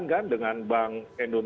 jadi aku nonton